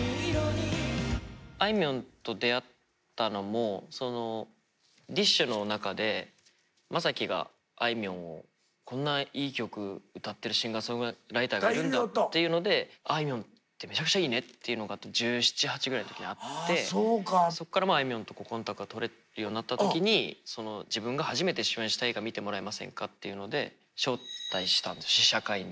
あいみょんと出会ったのもＤＩＳＨ／／の中で昌暉があいみょんをこんないい曲歌ってるシンガーソングライターがいるんだっていうのであいみょんってめちゃくちゃいいねっていうのが１７１８ぐらいの時にあってそっからあいみょんとコンタクトが取れるようになった時に自分が初めて主演した映画見てもらえませんかっていうので招待したんです試写会に。